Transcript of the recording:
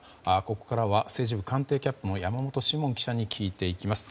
ここからは政治部官邸キャップの山本志門記者に聞いていきます。